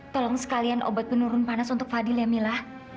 tolong sekalian obat penurun panas untuk fadil ya mila